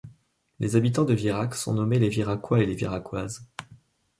Les habitants de Virac sont nommés les Viracois et les Viracoises.